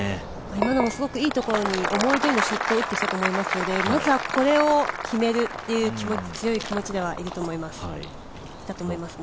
今のもすごくいいところに、思いどおりのショットを打ってきたと思いますのでまずはこれを決めるという強い気持ちではいたと思いますね。